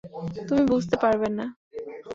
তুমি বুঝতে পারবে না।